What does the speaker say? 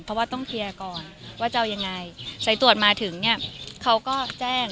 เพราะว่าต้องเคลียร์ก่อนว่าจะเอายังไงสายตรวจมาถึงเนี่ยเขาก็แจ้ง